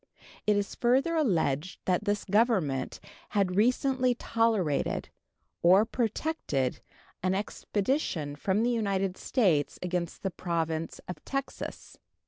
It is further alleged that this Government had recently tolerated or protected an expedition from the United States against the Province of Texas.